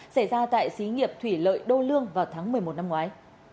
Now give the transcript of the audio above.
xảy ra tại xí nghiệp thủy lợi đô lương vào tháng một mươi một năm ngoái